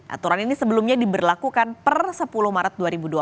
aturan ini sebelumnya diberlakukan per sepuluh maret dua ribu dua puluh